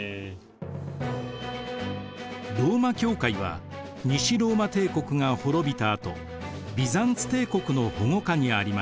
ローマ教会は西ローマ帝国が滅びたあとビザンツ帝国の保護下にありました。